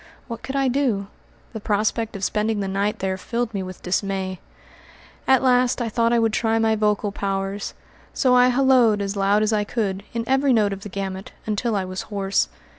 What could I do? The prospect of spending the night there filled me with dismay. At last I thought I would try my vocal powers; so I hallooed as loud as I could, in every note of the gamut, until I was hoarse.